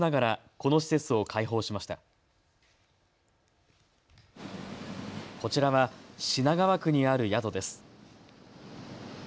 こちらは品川区にある宿です。